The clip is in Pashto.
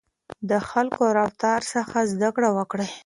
د خلکو له رفتار څخه زده کړه وکړئ.